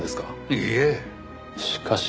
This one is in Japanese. いいえ。